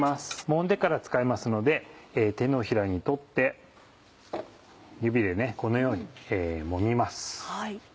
もんでから使いますので手のひらに取って指でこのようにもみます。